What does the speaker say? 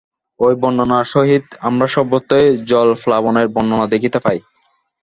এই বর্ণনার সহিত আমরা সর্বত্রই জলপ্লাবনের বর্ণনা দেখিতে পাই।